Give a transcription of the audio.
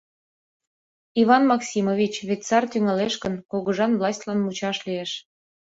— Иван Максимович, вет сар тӱҥалеш гын, кугыжан властьлан мучаш лиеш.